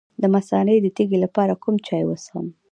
د مثانې د تیږې لپاره کوم چای وڅښم؟